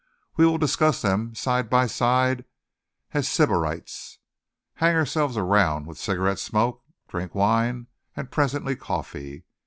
We will discuss them side by side as sybarites, hang ourselves around with cigarette smoke, drink wine, and presently coffee.